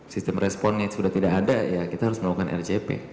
sistem responnya sudah tidak ada ya kita harus melakukan rcp